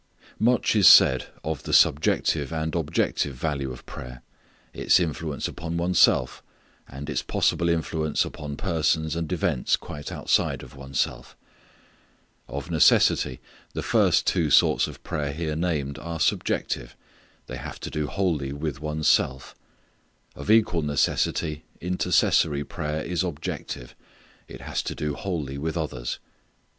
Much is said of the subjective and objective value of prayer; its influence upon one's self, and its possible influence upon persons and events quite outside of one's self. Of necessity the first two sorts of prayer here named are subjective; they have to do wholly with one's self. Of equal necessity intercessory prayer is objective; it has to do wholly with others.